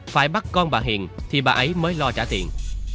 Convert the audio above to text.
phải bắt con bà hiền thì bà ấy mới lo trả tiền